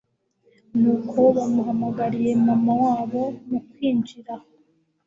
Nuko bamuhamagariye Mama wabo…mukwinjira aho